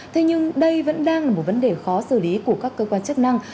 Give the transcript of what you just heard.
thế nhưng đây vẫn đang là một vấn đề khó xử lý của các cơ quan chức năng